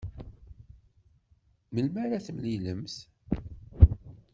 Melmi ara temlilemt?